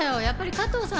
加藤さん